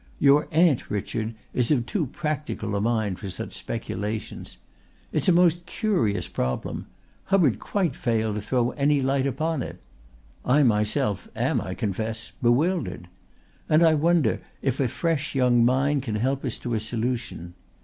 Your aunt, Richard, is of too practical a mind for such speculations. It's a most curious problem. Hubbard quite failed to throw any light upon it. I myself am, I confess, bewildered. And I wonder if a fresh young mind can help us to a solution."